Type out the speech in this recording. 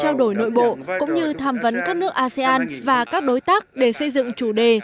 việt nam sẽ trao đổi nội bộ cũng như tham vấn các nước asean và các đối tác để xây dựng chủ đề